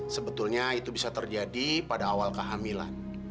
sebetulnya itu bisa terjadi pada awal kehamilan